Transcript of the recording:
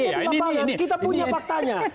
ada di lapangan kita punya faktanya